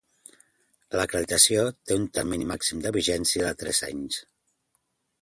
L'acreditació té un termini màxim de vigència de tres anys.